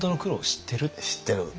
知ってる。